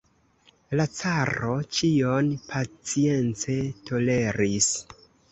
La caro ĉion pacience toleris.